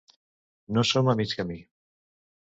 No som a mig camí.